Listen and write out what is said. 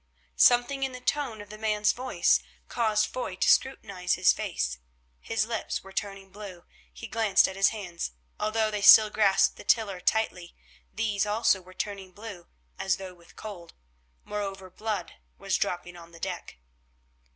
Something in the tone of the man's voice caused Foy to scrutinise his face. His lips were turning blue. He glanced at his hands. Although they still grasped the tiller tightly, these also were turning blue, as though with cold; moreover, blood was dropping on the deck.